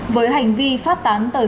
với hành vi phát tán tờ rơi trường